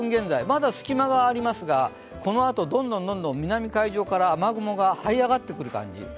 まだ隙間がありますが、このあとどんどん南海上から雨雲がはい上がってくる感じ。